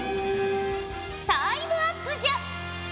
タイムアップじゃ。